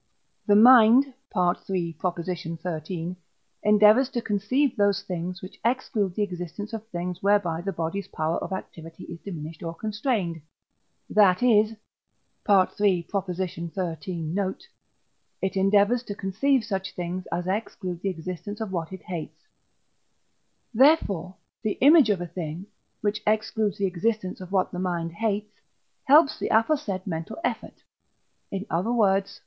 The mind (III. xiii.) endeavours to conceive those things, which exclude the existence of things whereby the body's power of activity is diminished or constrained; that is (III. xiii. note), it endeavours to conceive such things as exclude the existence of what it hates; therefore the image of a thing, which excludes the existence of what the mind hates, helps the aforesaid mental effort, in other words (III.